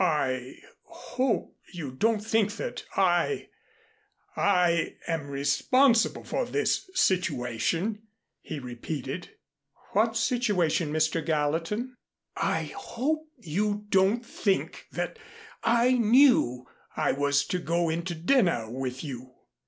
"I hope you don't think that I I am responsible for this situation," he repeated. "What situation, Mr. Gallatin?" "I hope you don't think that I knew I was to go in to dinner with you."